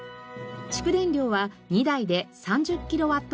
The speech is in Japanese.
蓄電量は２台で３０キロワットアワー。